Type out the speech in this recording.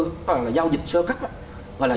gọi là giao dịch sơ cấp đó gọi là